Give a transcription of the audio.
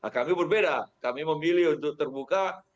kami berbeda kami memilih untuk terbuka